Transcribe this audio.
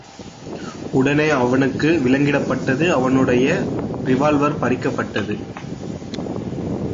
உடனே அவனுக்கு விலங்கிடப்பட்டது அவனுடைய ரிவால்வர் பறிக்கப்பட்டது.